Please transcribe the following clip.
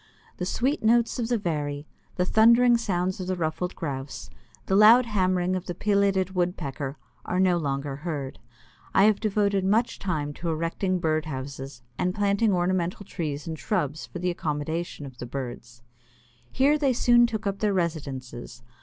The sweet notes of the Veery, the thundering sounds of the Ruffed Grouse, the loud hammering of the Pileated Woodpecker, are no longer heard. I have devoted much time to erecting bird houses and planting ornamental trees and shrubs for the accommodation of the birds. Here they soon took up their residences.